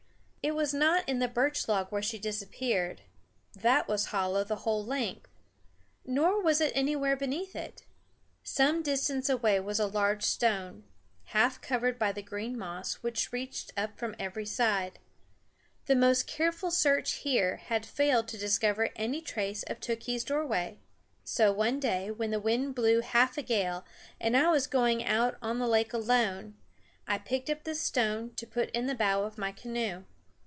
It was not in the birch log where she disappeared that was hollow the whole length nor was it anywhere beneath it. Some distance away was a large stone, half covered by the green moss which reached up from every side. The most careful search here had failed to discover any trace of Tookhees' doorway; so one day when the wind blew half a gale and I was going out on the lake alone, I picked up this stone to put in the bow of my canoe.